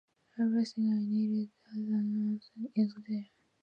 Everything I needed as an antidote is there.